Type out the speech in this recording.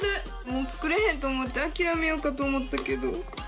もう作れへんと思って諦めようかと思ったけど。